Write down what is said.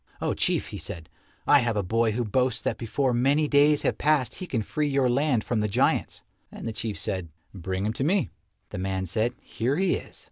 "Oh, Chief," he said, "I have a boy who boasts that before many days have passed he can free your land from the giants." And the Chief said, "Bring him to me." The man said, "Here he is."